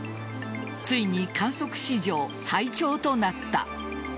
ついに観測史上最長となった。